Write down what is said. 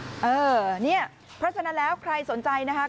เพราะฉะนั้นแล้วใครสนใจนะคะ